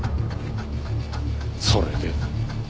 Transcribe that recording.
それで？